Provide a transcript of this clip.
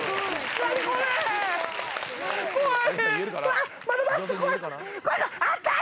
何これー。